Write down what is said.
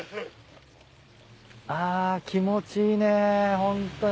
あ気持ちいいねホントに。